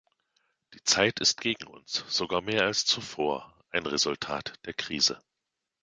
Die Zeit ist gegen uns, sogar mehr als zuvor ein Resultat der Krise.